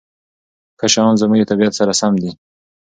ښه شیان زموږ د طبیعت سره سم دي.